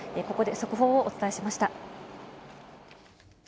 ここで速報をお伝えしました。